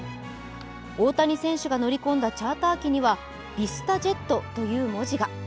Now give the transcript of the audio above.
大谷選手が乗り込んだチャーター機には「ＶＩＳＴＡＪＥＴ」という文字が。